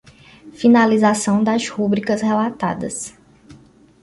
Finalização das rubricas relatadas